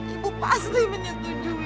ibu pasti menyetujui